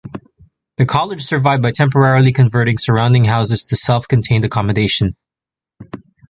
The college survived by temporarily converting surrounding houses to self-contained accommodation.